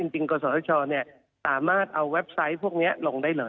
จริงก็สอทชเนี่ยสามารถเอาเว็บไซต์พวกนี้ลงได้เลย